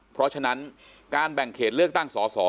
เพราะฉะนั้นการแบ่งเขตเลือกตั้งสอสอ